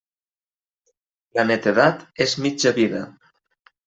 La netedat és mitja vida.